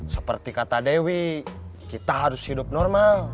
seperti kata dewi kita harus hidup normal